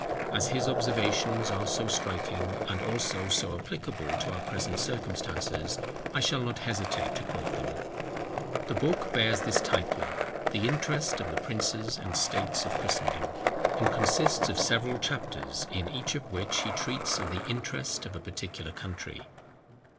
As his observations are so striking, and also so applicable to our present circumstances, I shall not hesitate to quote them. The book bears this title, The Interest of the Princes and States of Christendom, and consists of several chapters, in each of which he treats of The Interest of a particular country.